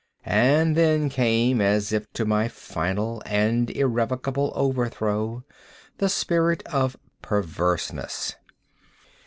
And then came, as if to my final and irrevocable overthrow, the spirit of PERVERSENESS.